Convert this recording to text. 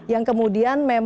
yang kemudian memang